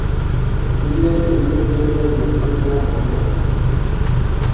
Essigiri empya ezikekereza ze zisinga obulungi.